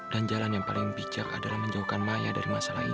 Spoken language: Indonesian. dan jalan yang paling bijak adalah menjauhkan maya dari masalah ini